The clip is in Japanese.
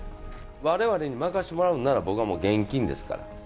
われわれに任せてもらうなら、僕はもう現金ですから。